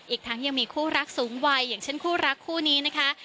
อีกทั้งยังมีคู่รักสูงวัยอย่างเช่นคู่รักคู่นี้นะคะ